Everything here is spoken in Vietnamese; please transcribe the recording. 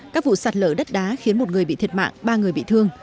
các vụ sạt lở đất đá khiến một người bị thiệt mạng ba người bị thương